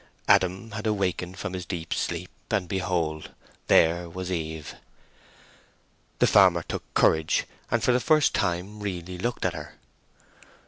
Adam had awakened from his deep sleep, and behold! there was Eve. The farmer took courage, and for the first time really looked at her.